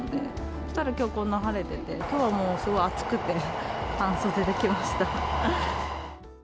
そうしたらきょうこんな晴れてて、きょうはもうすごい暑くて、半袖で来ました。